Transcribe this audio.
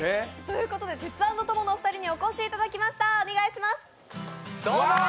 テツａｎｄトモのお二人にお越しいただきました。